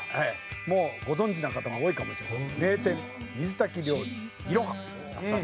「もうご存じな方が多いかもしれません」